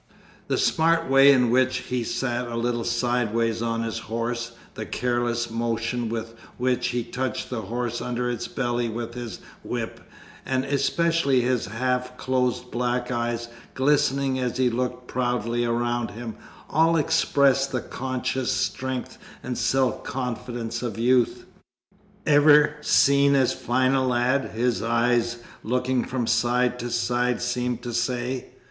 The smart way in which he sat a little sideways on his horse, the careless motion with which he touched the horse under its belly with his whip, and especially his half closed black eyes, glistening as he looked proudly around him, all expressed the conscious strength and self confidence of youth. 'Ever seen as fine a lad?' his eyes, looking from side to side, seemed to say.